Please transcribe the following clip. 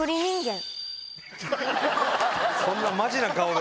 そんなマジな顔で。